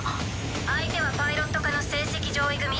相手はパイロット科の成績上位組。